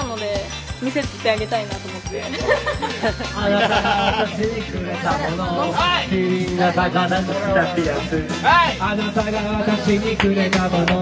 「あなたが私にくれたもの